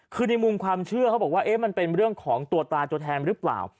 คือในมุมความเชื่อเขาบอกว่ามันเป็นเรื่องของตัวตาตัวแทนหรือเปล่า